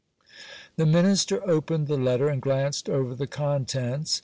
The minister opened the letter, and glance(^_oyer the contents.